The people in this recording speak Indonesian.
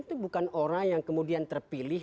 itu bukan orang yang kemudian terpilih